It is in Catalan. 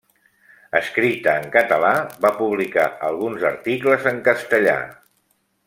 Escrita en català, va publicar alguns articles en castellà.